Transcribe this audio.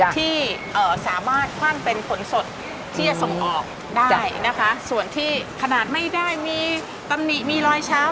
ที่สามารถคว่ำเป็นผลสดที่จะส่งออกได้นะคะส่วนที่ขนาดไม่ได้มีตำหนิมีรอยเช้า